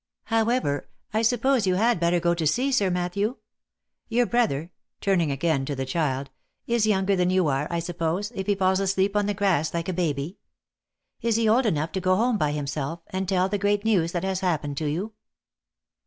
However, I suppose he had better go to see, Sir Matthew ?— Your brother," turning again to the child, " is younger than you are, I suppose, if he falls asleep on the grass like a baby. Is he old enough to go home by himself, and tell the great news that has happened to you